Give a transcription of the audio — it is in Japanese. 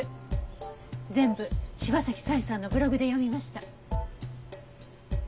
全部柴崎佐江さんのブログで読みました。